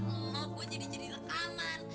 gara gara lo gue jadi jadi rekaman